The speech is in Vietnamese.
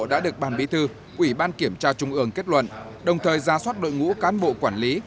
đã được ban bí thư ủy ban kiểm tra trung ương kết luận đồng thời ra soát đội ngũ cán bộ quản lý